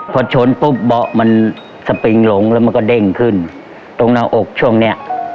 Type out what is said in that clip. พอชนปุ๊บเบาะมันสปิงหลงแล้วมันก็เด้งขึ้นตรงหน้าอกช่วงเนี้ย